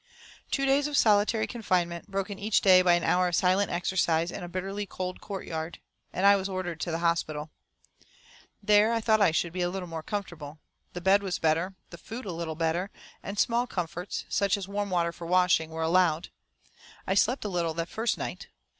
Two days of solitary confinement, broken each day by an hour of silent exercise in a bitterly cold courtyard, and I was ordered to the hospital. There I thought I should be a little more comfortable. The bed was better, the food a little better, and small comforts, such as warm water for washing, were allowed. I slept a little the first night.